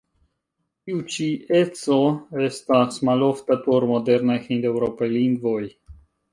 Tiu ĉi eco estas malofta por modernaj hindeŭropaj lingvoj.